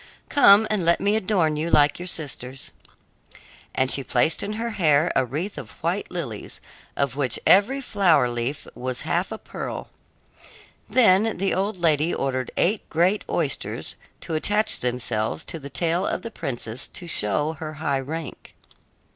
"Come, and let me adorn you like your sisters." And she placed in her hair a wreath of white lilies, of which every flower leaf was half a pearl. Then the old lady ordered eight great oysters to attach themselves to the tail of the princess to show her high rank.